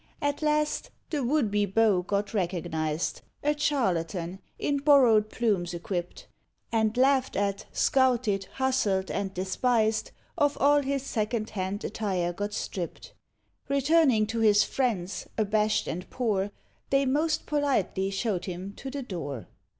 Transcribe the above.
At last the would be beau got recognised, A charlatan, in borrowed plumes equipt And laughed at, scouted, hustled, and despised, Of all his second hand attire got stript; Returning to his friends, abashed and poor, They most politely showed him to the door.